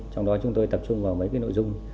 trong đó chúng tôi tập trung vào mấy cái nội dung